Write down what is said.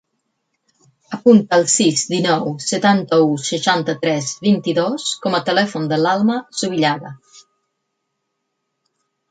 Apunta el sis, dinou, setanta-u, seixanta-tres, vint-i-dos com a telèfon de l'Alma Zubillaga.